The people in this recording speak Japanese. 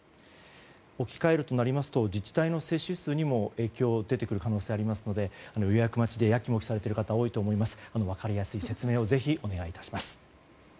置き換えるとなりますと自治体の接種数にも影響が出てくる可能性がありますので予約待ちでやきもきされている方も多いと思いますので分かりやすい説明をぜひお願い致します。